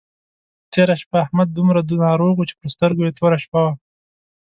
تېره شپه احمد دومره ناروغ وو چې پر سترګو يې توره شپه وه.